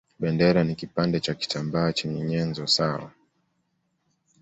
Bendera ni kipande cha kitambaa chenye nyenzo sawa